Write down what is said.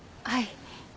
はい？